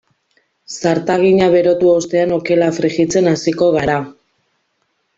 Zartagina berotu ostean okela frijitzen hasiko gara.